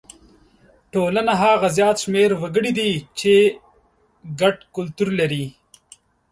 ټولنه هغه زیات شمېر وګړي دي چې ګډ کلتور لري.